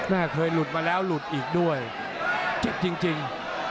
เคยหลุดมาแล้วหลุดอีกด้วยเจ็บจริง